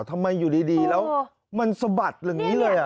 ทำไมอยู่ดีแล้วมันสะบัดแบบนี้เลยอ่ะ